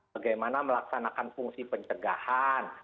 bagaimana melaksanakan fungsi pencegahan